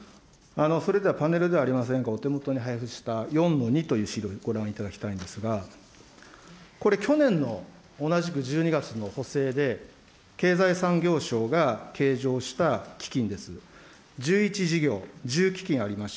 それではパネルではありませんが、お手元に配布した４の２という資料ご覧いただきたいんですが、これ、去年の同じく１２月の補正で、経済産業省が計上した基金です。